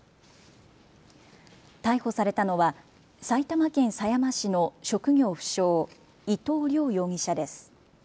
逮捕されたのは埼玉県狭山市の職業不詳、伊藤亮容疑者です。